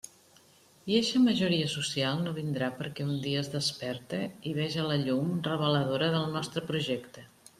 I eixa majoria social no vindrà perquè un dia es desperte i veja la llum reveladora del nostre projecte.